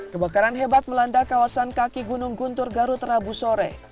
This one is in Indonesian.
kebakaran hebat melanda kawasan kaki gunung guntur garut rabu sore